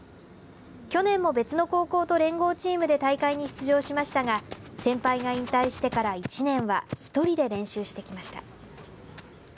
去年も別の高校と連合チームで大会に出場しましたが先輩が引退してから１年は１人で練習してきました。